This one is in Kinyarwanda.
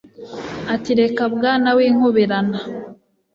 Ati Reka Bwana winkubirana